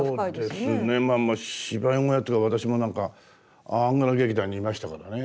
まあ芝居小屋っていうか私もなんかアングラ劇団にいましたからね。